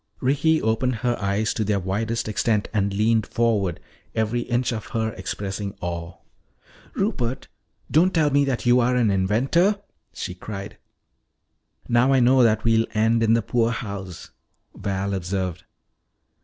Ricky opened her eyes to their widest extent and leaned forward, every inch of her expressing awe. "Rupert, don't tell me that you are an inventor!" she cried. "Now I know that we'll end in the poorhouse," Val observed.